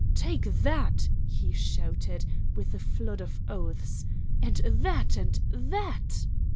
"Take THAT!" he shouted, with a flood of oaths, "and THAT, and THAT!"